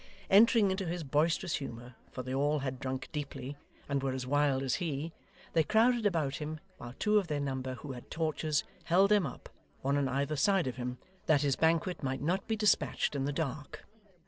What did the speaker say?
Entering into his boisterous humour, for they all had drunk deeply, and were as wild as he, they crowded about him, while two of their number who had torches, held them up, one on either side of him, that his banquet might not be despatched in the dark.